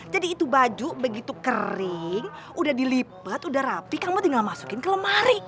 jadi itu baju begitu kering udah dilipat udah rapi kamu tinggal masukin ke lemari